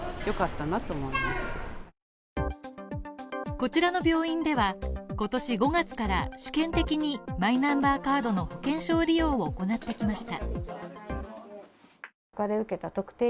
こちらの病院では今年５月から試験的にマイナンバーカードの保険証利用を行ってきました。